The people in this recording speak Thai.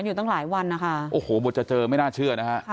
อยู่ตั้งหลายวันนะคะโอ้โหบทจะเจอไม่น่าเชื่อนะฮะ